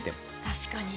確かに。